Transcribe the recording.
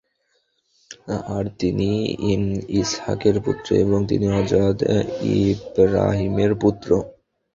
আর তিনি ইসহাকের পুত্র এবং তিনি হযরত ইবরাহীমের পুত্র।